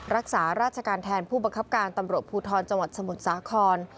รักษาราชการแทนผู้บังคับการตำรวจภูทรจังหวัดสมุทรสาคร